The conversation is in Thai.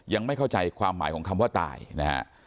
ยังไม่เข้าใจความหมายของคำว่าตายนะฮะ